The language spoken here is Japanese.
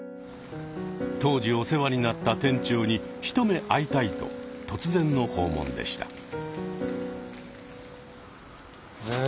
当時お世話になった店長に一目会いたいと突然の訪問でした。